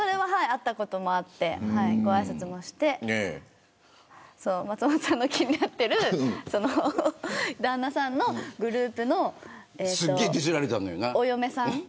会ったこともあってごあいさつもして松本さんの気になっている旦那さんのグループのお嫁さん。